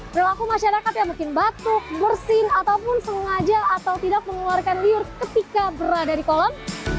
perilaku masyarakat yang mungkin batuk bersin ataupun sengaja atau tidak mengeluarkan liur ketika berada di kolam